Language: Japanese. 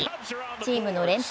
チームの連敗